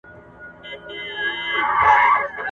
لښکر د ابوجهل ته به کلي تنها نه وي ..